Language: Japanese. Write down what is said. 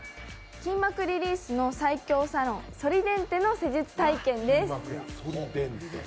筋膜リリースの最強サロン、ソリデンテの施術体験です。